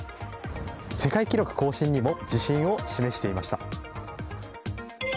世界記録更新にも自信を示していました。